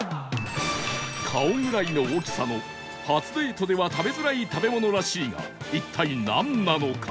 顔ぐらいの大きさの初デートでは食べづらい食べ物らしいが一体なんなのか？